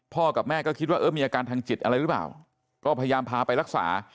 กับแม่ก็คิดว่าเออมีอาการทางจิตอะไรหรือเปล่าก็พยายามพาไปรักษา